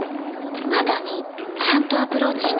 肌にちゃんとアプローチしてる感覚